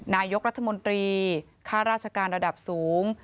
นายกรัฐมนตรีค่าราชการระดับสูง